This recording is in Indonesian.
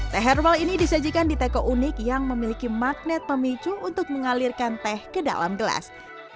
teh herbal ini disajikan di teko unik yang memiliki magnet pemicu untuk mengalirkan teh ke dalam gelas